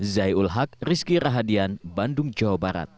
zai ul haq rizky rahadian bandung jawa barat